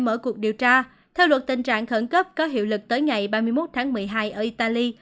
mở cuộc điều tra theo luật tình trạng khẩn cấp có hiệu lực tới ngày ba mươi một tháng một mươi hai ở italy